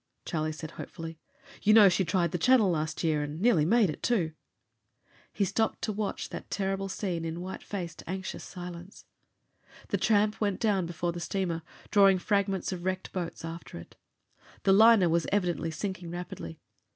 Charlie said hopefully. "You know she tried the Channel last year, and nearly made it, too." He stopped to watch that terrible scene in white faced, anxious silence. The tramp went down before the steamer, drawing fragments of wrecked boats after it. The liner was evidently sinking rapidly.